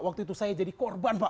waktu itu saya jadi korban pak